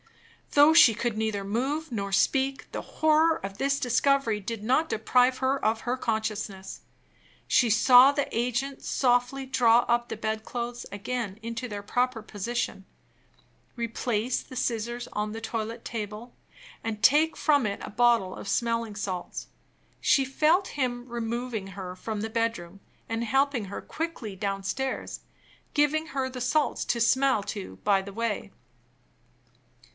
Though she could neither move nor speak, the horror of this discovery did not deprive her of her consciousness. She saw the agent softly draw up the bed clothes again into their proper position, replace the scissors on the toilet table, and take from it a bottle of smelling salts. She felt him removing her from the bedroom, and helping her quickly downstairs, giving her the salts to smell to by the way.